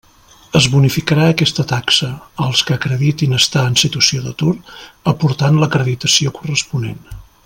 Es bonificarà aquesta taxa, als que acreditin estar en situació d'atur, aportant l'acreditació corresponent.